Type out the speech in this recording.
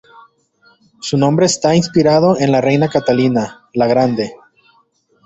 Su nombre está inspirado en la reina "Catalina, La Grande".